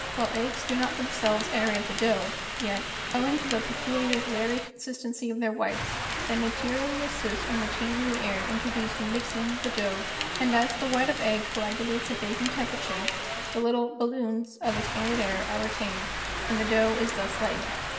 "While eggs do not themselves aerate the dough, yet, owing to the peculiar glairy consistency of their whites, they materially assist in retaining the air introduced in mixing the dough, and as the white of egg coagulates at baking temperature, the little 'balloons' of ex¬ panded air are retained and the dough is thus lightened."